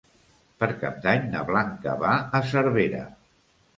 Per Cap d'Any na Blanca va a Cervera.